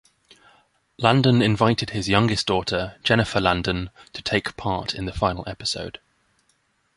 Landon invited his youngest daughter, Jennifer Landon, to take part in the final episode.